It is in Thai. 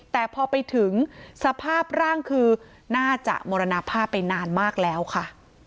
แต่พอไปถึงสภาพร่างคือน่าจะมรณภาพไปนานมากแล้วค่ะ